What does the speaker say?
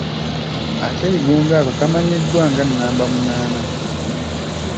Akeegugungo ako kamannyidwa nga namba munana.